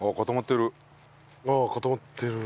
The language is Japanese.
あっ固まってる。